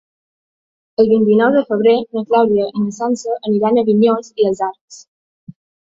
El vint-i-nou de febrer na Clàudia i na Sança aniran a Vinyols i els Arcs.